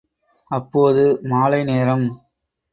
அப்போது மாலை நேரம்.